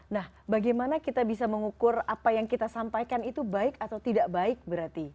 nah bagaimana kita bisa mengukur apa yang kita sampaikan itu baik atau tidak baik berarti